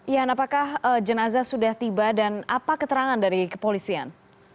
yan apakah jenazah sudah tiba dan apa keterangan dari kepolisian